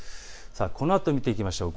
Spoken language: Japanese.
このあと見ていきましょう。